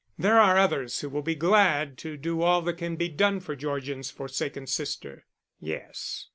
"There are others who will be glad to do all that can be done for Georgian's forsaken sister." "Yes.